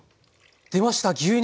出ました牛乳！